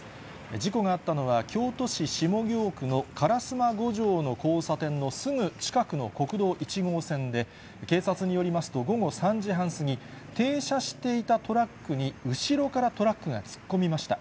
事故があったのは京都市下京区の烏丸五条の交差点のすぐ近くの国道１号線で、警察によりますと、午後３時半過ぎ、停車していたトラックに後ろからトラックが突っ込みました。